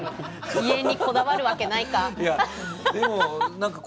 遺影にこだわるわけないか。